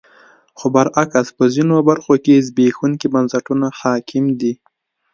خو برعکس په ځینو برخو کې زبېښونکي بنسټونه حاکم دي.